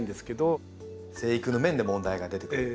生育の面で問題が出てくる。